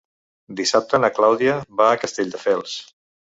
Dissabte na Clàudia va a Castelldefels.